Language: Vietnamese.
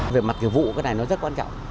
về mặt kiểu vụ cái này nó rất quan trọng